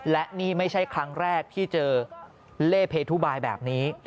และนี่ไม่ใช่ครั้งแรกที่เจอเล่เพทุบายแบบนี้